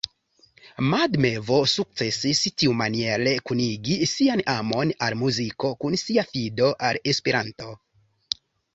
Mad Mevo sukcesis tiumaniere kunigi sian amon al muziko kun sia fido al Esperanto.